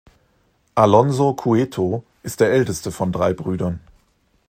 Alonso Cueto ist der älteste von drei Brüdern.